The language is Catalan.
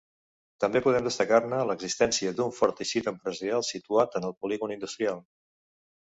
També podem destacar-ne l'existència d'un fort teixit empresarial situat en el polígon industrial.